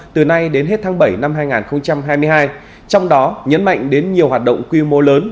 từ nay đến hết tháng bảy năm hai nghìn hai mươi hai trong đó nhấn mạnh đến nhiều hoạt động quy mô lớn